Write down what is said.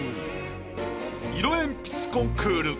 「色鉛筆コンクール」